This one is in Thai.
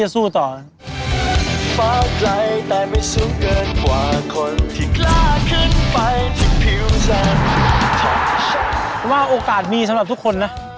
ว่าโอกาสมีสำหรับทุกคนนะ